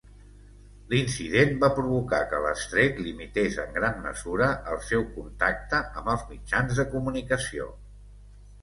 L'incident va provocar que l'estret limités en gran mesura el seu contacte amb els mitjans de comunicació.